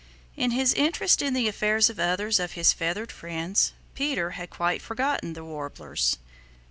In his interest in the affairs of others of his feathered friends, Peter had quite forgotten the Warblers.